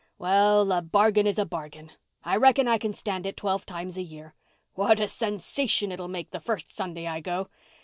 "Well, a bargain is a bargain. I reckon I can stand it twelve times a year. What a sensation it'll make the first Sunday I go!